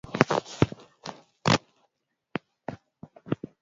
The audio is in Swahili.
Ngoma hizi hutowa fursa ya kubadilisha mawazo manyanyaso yaliyopo dhidi ya wanawake